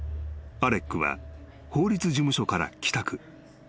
［アレックは法律事務所から帰宅］